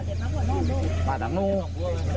เจ้าหรือยังเจ้าหรือยัง